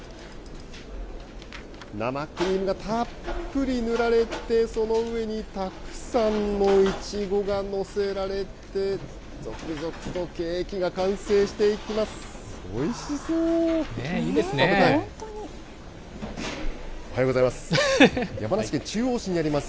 生クリームがたっぷり塗られて、その上にたくさんのイチゴが載せられて、続々とケーキが完成していきます。